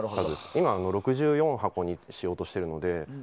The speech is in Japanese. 今、６４箱にしようとしてるので。